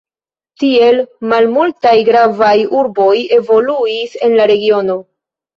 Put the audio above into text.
Tiel, malmultaj gravaj urboj evoluis en la regiono.